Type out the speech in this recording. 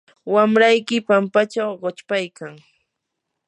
wamrayki pampachaw quchpaykan.